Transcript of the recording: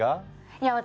いや私